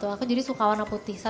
aku jadi suka warna putih